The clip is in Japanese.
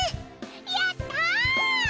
やった！